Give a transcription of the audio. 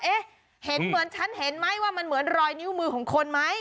เอ๊ะเห็นเหมือนฉันเห็นไหมว่ามันเหมือนรอยนิ้วมือของคนไหม